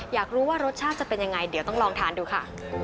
อยากรู้ว่ารสชาติจะเป็นยังไงเดี๋ยวต้องลองทานดูค่ะ